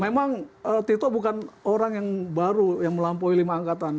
memang tito bukan orang yang baru yang melampaui lima angkatan